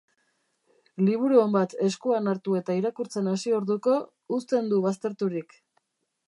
Liburu on bat eskuan hartu eta irakurtzen hasi orduko, uzten du bazterturik.